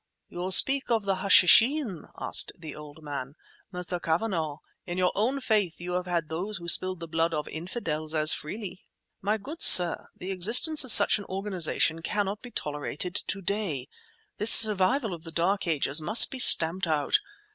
"You speak of the Hashishin?" asked the old man. "Mr. Cavanagh, in your own faith you have had those who spilled the blood of infidels as freely!" "My good sir, the existence of such an organization cannot be tolerated today! This survival of the dark ages must be stamped out.